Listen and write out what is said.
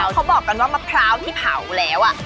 เขาบอกกันว่ามะพร้าวที่เผาแล้ว